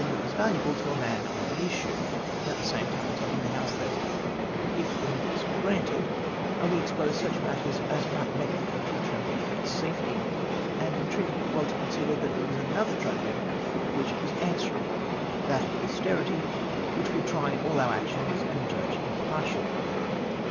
that was valuable to man on the issue, at the same time telling the House that, if the minutes were granted, I would expose such matters as might make the country tremble for its safety — and entreating it Avell to consider that there was another tribunal to which it was answer able, that of posterity, which Avould try all our actions and judge impartially.